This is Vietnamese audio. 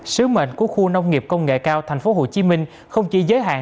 sứ mệnh của khu nông nghiệp công nghệ cao thành phố hồ chí minh không chỉ giới hạn